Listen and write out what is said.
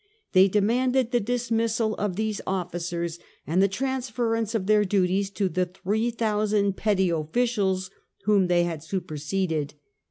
They demanded the dismissal of these officers, and the transference of their duties to the 3,000 petty officials whom they had super seded.